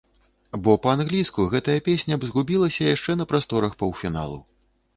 Бо па-англійску гэтая песня б згубілася яшчэ на прасторах паўфіналу.